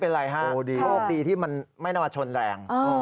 โรคดีที่มันไม่น่ามาชนแรง